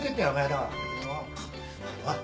おい！